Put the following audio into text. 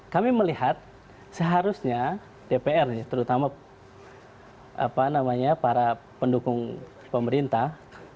kami melihat seharusnya dpr terutama para pendukung pemerintah